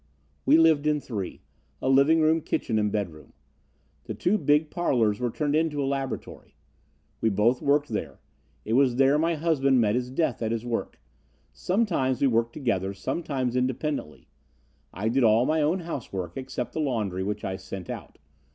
"We lived in three, a living room, kitchen and bedroom. The two big parlors were turned into a laboratory. We both worked there. It was there my husband met his death at his work. Sometimes we worked together, sometimes independently. I did all my own housework, except the laundry, which I sent out.